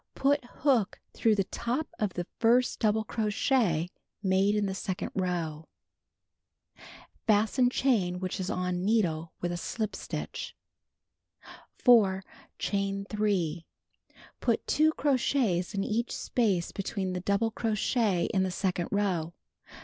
Put hook through the top of the first double crochet made in the second row. (See No. 4, page 246.) Fasten chain which is on needle with a slip stitch. (See picture.) 4. Chain 3. Put 2 crochets in each space between the double crochet in the second row.